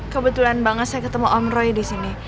kebetulan banget saya ketemu om roy disini